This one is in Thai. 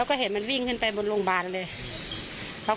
แล้วเห็นวิ่งขึ้นบนโรงพยาบาล